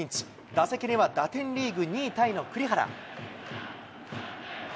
打席には打点リーグ２位タイの栗原。